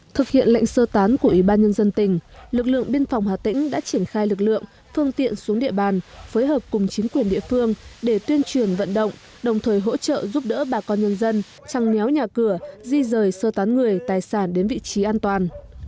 thực hiện lệnh sơ tán của ủy ban nhân dân tỉnh lực lượng biên phòng hà tĩnh đã triển khai lực lượng phương tiện xuống địa bàn phối hợp cùng chính quyền địa phương để tuyên truyền vận động đồng thời hỗ trợ giúp đỡ bà con nhân dân trăng néo nhà cửa di rời sơ tán người tài sản đến vị trí an toàn